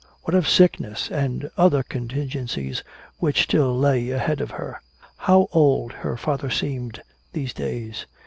What of sickness, and the other contingencies which still lay ahead of her? How old her father seemed, these days!